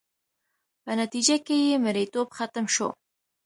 په نتیجه کې یې مریتوب ختم شو.